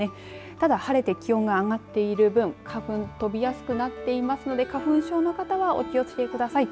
ただ晴れて気温が上がっている分花粉が飛びやすくなっていますので花粉症の方はお気を付けください。